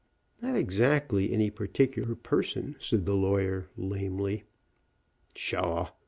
"Not exactly any particular person," said the lawyer, lamely. "Pshaw!